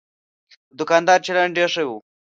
د دوکاندار چلند ډېر ښه و.